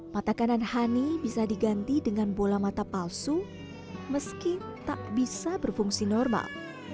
mata kanan hani bisa diganti dengan bola mata palsu meski tak bisa berfungsi normal